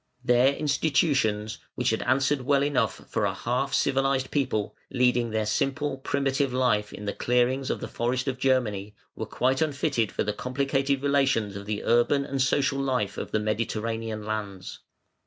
Their institutions, which had answered well enough for a half civilised people, leading their simple, primitive life in the clearings of the forest of Germany, were quite unfitted for the complicated relations of the urban and social life of the Mediterranean lands.